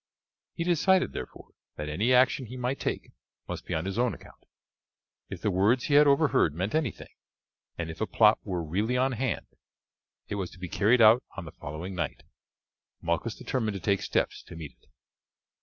He decided, therefore, that any action he might take must be on his own account. If the words he had overheard meant anything, and if a plot were really on hand, it was to be carried out on the following night. Malchus determined to take steps to meet it.